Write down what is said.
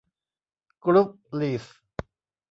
กรุ๊ปลีส